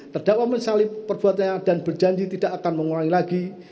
terdakwa mensalib perbuatannya dan berjanji tidak akan mengulangi lagi